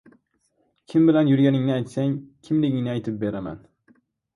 • Kim bilan yurganingni aytsang, kimligingni aytib beraman.